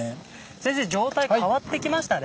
先生状態変わってきましたね？